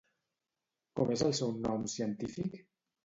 Com és el seu nom científic?